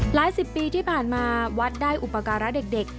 หลายสิบปีที่ผ่านมาวัดได้อุปการะเด็ก